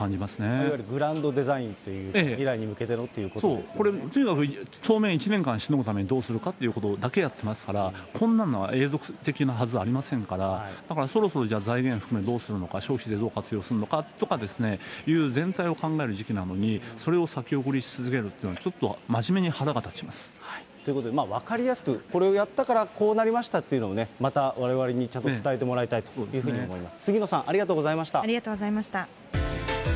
いわゆるグランドデザインという、未来に向けてのということそう、とにかく当面１年間しのぐためにどうするかというところだけやってますから、こんなのは永続的なはずありませんから、だからそろそろ、じゃあ、財源含めどうするのか、消費税、どう活用するのかということを全体を考える時期なのに、それを先送りし続けるというのは、ということで、分かりやすく、これをやったからこうなりましたっていうのもね、またわれわれにちゃんと伝えてもらいたいというふうに思います。